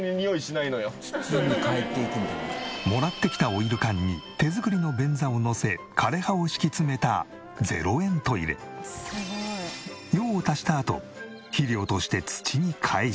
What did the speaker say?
もらってきたオイル缶に手作りの便座をのせ枯れ葉を敷き詰めた用を足したあと肥料として土に返している。